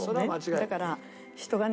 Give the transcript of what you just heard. だから人がね